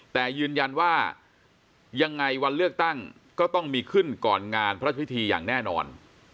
แต่ยืนยันว่ายังไงวันเลือกตั้งก็ต้องมีขึ้นก่อนงานพระพิธีอย่างแน่นอน